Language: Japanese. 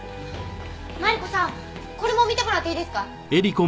マリコさんこれも見てもらっていいですか？